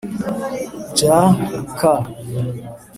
j k